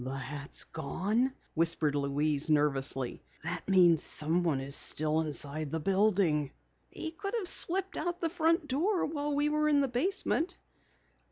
"The hat's gone," whispered Louise nervously. "That means someone is still inside the building!" "He could have slipped out the front door while we were in the basement."